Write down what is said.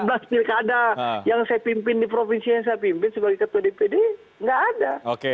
ada pilkada yang saya pimpin di provinsi yang saya pimpin sebagai ketua dpd nggak ada